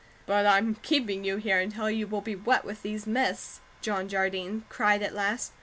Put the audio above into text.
"But I'm keeping you here until you will be wet with these mists," John Jardine cried at last.